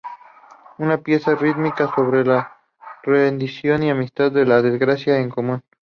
Es una pieza rítmica sobre rendición y amistad, de la desgracia en común.